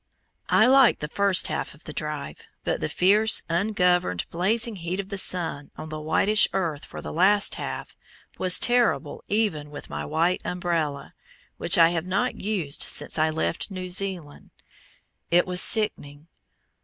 I liked the first half of the drive; but the fierce, ungoverned, blazing heat of the sun on the whitish earth for the last half, was terrible even with my white umbrella, which I have not used since I left New Zealand; it was sickening.